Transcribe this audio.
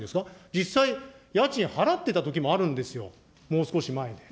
実際、家賃払ってたときもあるんですよ、もう少し前で。